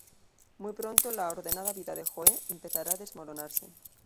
Muy pronto la ordenada vida de Joe empezará a desmoronarse.